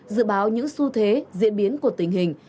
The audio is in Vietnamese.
dự báo những xu thế diễn biến của tình hình